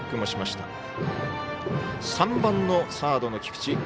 ３番のサードの菊地。